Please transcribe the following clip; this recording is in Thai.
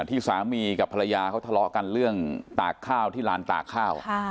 ที่สามีกับภรรยาเขาทะเลาะกันเรื่องตากข้าวที่ลานตากข้าว